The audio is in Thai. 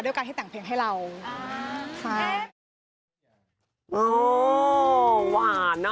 ด้วยการให้แต่งเพลงให้เราครับทราบสร้างเทป